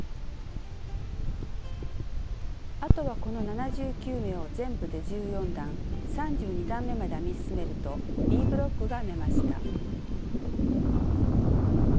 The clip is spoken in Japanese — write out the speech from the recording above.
あとはこの７９目を全部で１４段３２段めまで編み進めるとＢブロックが編めました。